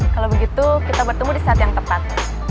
kalau begitu kita bertemu di saat yang tepat